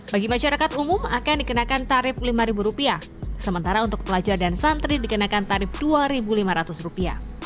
bagi masyarakat umum akan dikenakan tarif rp lima sementara untuk pelajar dan santri dikenakan tarif rp dua lima ratus